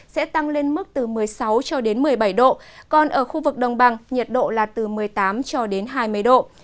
sẽ tăng lên mức từ một mươi sáu cho đến một mươi bảy độ còn ở khu vực đồng bằng nhiệt độ là từ một mươi tám cho đến hai mươi độ